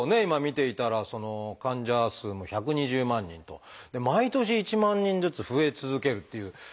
今見ていたら患者数も１２０万人と。で毎年１万人ずつ増え続けるっていう。